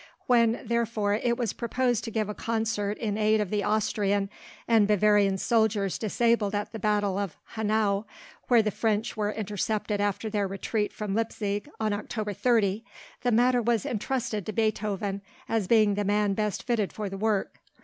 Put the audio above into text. When therefore, it was proposed to give a concert in aid of the Austrian and Bavarian soldiers disabled at the battle of Hanau, where the French were intercepted after their retreat from Leipzig on October 30, the matter was intrusted to Beethoven as being the man best fitted for the work.